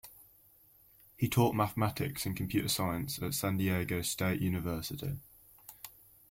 He taught mathematics and computer science at San Diego State University.